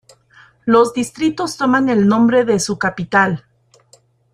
Los distritos toman el nombre de su capital.